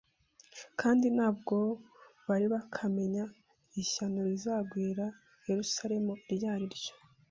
kandi ntabwo bari bakamenya ishyano rizagwira Yerusalemu iryo ari ryo